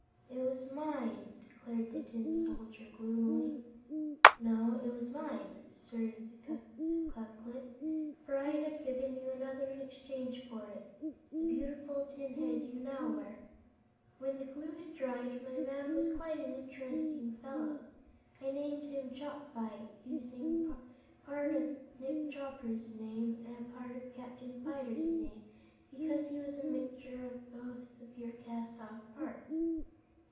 "It was mine!" declared the Tin Soldier, gloomily. "No, it was mine," asserted Ku Klip, "for I had given you another in exchange for it the beautiful tin head you now wear. When the glue had dried, my man was quite an interesting fellow. I named him Chopfyt, using a part of Nick Chopper's name and a part of Captain Fyter's name, because he was a mixture of both your cast off parts.